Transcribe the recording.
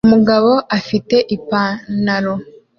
Umugabo afite Ipanaro